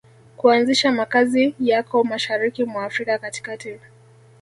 kuanzisha makazi yako Mashariki mwa Afrika katikati